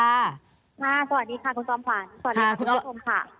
ค่ะสวัสดีค่ะคุณสอมฟาน